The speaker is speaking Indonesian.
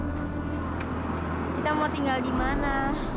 kita mau tinggal di mana